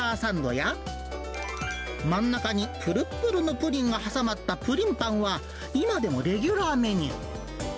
や、真ん中にぷるぷるのプリンが挟まったプリンぱんは、今でもレギュラーメニュー。